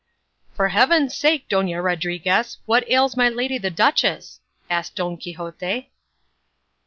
"For heaven's sake, Dona Rodriguez, what ails my lady the duchess?" asked Don Quixote.